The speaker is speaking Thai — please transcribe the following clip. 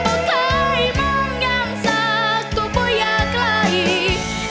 น้องเบาคล้ายมองอย่างสากก็ไม่อยากไหล